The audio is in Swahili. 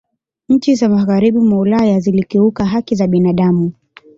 nchi za magharibi mwa ulaya zilikiuka haki za binadamu